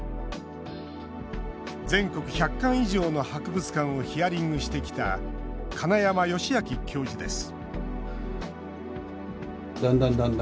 全国１００館以上の博物館をヒアリングしてきた金山喜昭教授です